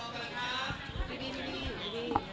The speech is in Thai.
ขอบคุณค่ะ